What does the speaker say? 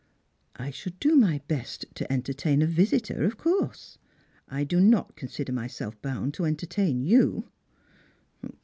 *' I should do my best to entertain a visitor, of course. I do Bict consider myself bound to entertain you."